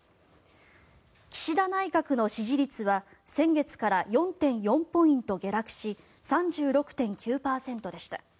岸田内閣の支持率は先月から４．４ポイント下落し３６．９％でした。